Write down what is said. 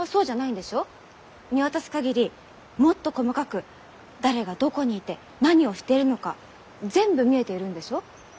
見渡す限りもっと細かく誰がどこにいて何をしてるのか全部見えているんでしょ？